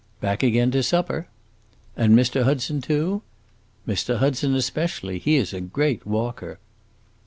"Back again to supper." "And Mr. Hudson too?" "Mr. Hudson especially. He is a great walker."